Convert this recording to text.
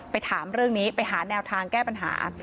ถามเรื่องนี้ไปหาแนวทางแก้ปัญหา